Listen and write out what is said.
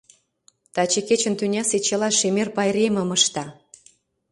Таче кечын тӱнясе чыла шемер пайремым ышта.